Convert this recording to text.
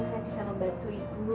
dan juga bisa membantu